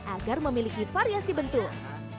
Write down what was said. agar memiliki variasi bentuk